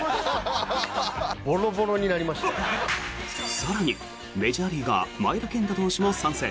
更に、メジャーリーガー前田健太投手も参戦。